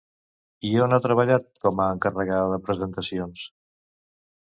I on ha treballat com a encarregada de presentacions?